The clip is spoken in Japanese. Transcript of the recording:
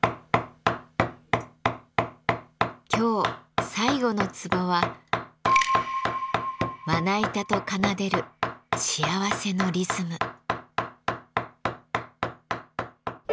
今日最後の壺は「まな板と奏でる幸せのリズム」。